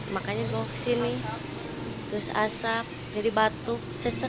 makanya ke sini terus asap jadi batuk sesek